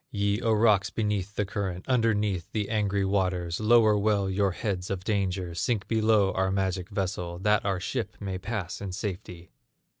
Ye, O rocks beneath the current, Underneath the angry waters, Lower well your heads of danger, Sink below our magic vessel, That our ship may pass in safety!